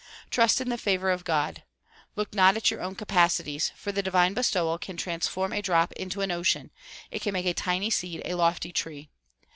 Trust in the favor of God. Look not at your own capacities, for the divine bestowal can trans form a drop into an ocean ; it can make a tiny seed a lofty tree.